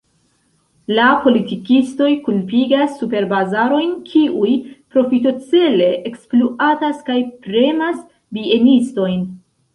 La politikistoj kulpigas superbazarojn, kiuj profitocele ekspluatas kaj premas bienistojn.